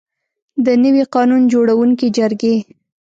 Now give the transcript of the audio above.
د نوي قانون جوړوونکي جرګې.